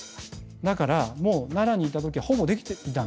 だから奈良にいた時はほぼできていた。